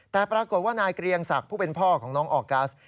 แต่ปรากฏว่านายเกรียงศักดิ์ผู้เป็นพ่อของน้องออกัส